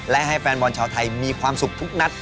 และให้แฟนบอลชาวไทยมีความสุขทุกนัด